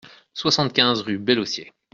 soixante-quinze rue Bellocier